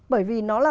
bởi vì nó là